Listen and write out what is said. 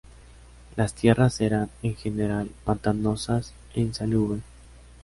Las tierras eran, en general, pantanosas e insalubres.